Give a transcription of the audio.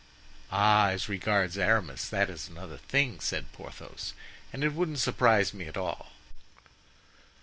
"Ah, as regards Aramis, that is another thing," said Porthos, "and it wouldn't surprise me at all."